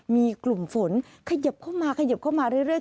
มีกลุ่มฝนเขยิบเข้ามาขยิบเข้ามาเรื่อย